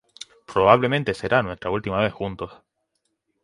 Probablemente será nuestra última vez juntos!